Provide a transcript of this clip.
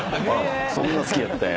・そんな好きやったんや。